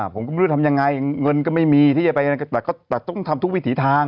ผมก็ไม่รู้ทำยังไงเงินก็ไม่มีที่จะไปแต่ต้องทำทุกวิถีทาง